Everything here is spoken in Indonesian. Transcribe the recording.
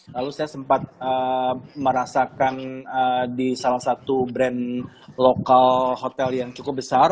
lalu saya sempat merasakan di salah satu brand lokal hotel yang cukup besar